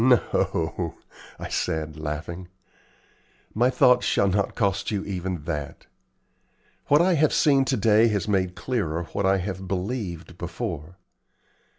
"No," I said, laughing; "my thoughts shall not cost you even that. What I have seen to day has made clearer what I have believed before.